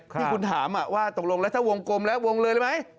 ที่คุณถามว่าตกลงแล้วถ้าวงกลมแล้ววงเลยไหม